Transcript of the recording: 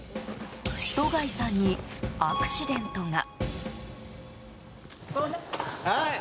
戸貝さんにアクシデントが。